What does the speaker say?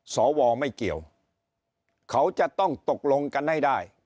สวไม่เกี่ยวเขาจะต้องตกลงกันให้ได้